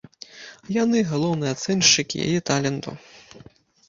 Яны галоўныя ацэншчыкі яе таленту.